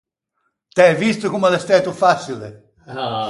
T’æ visto comme l’é stæto façile?